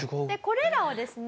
これらをですね